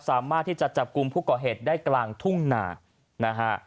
สามารถที่จะจับกลุ่มผู้ก่อเหตุได้กลางทุ่งหนานะฮะ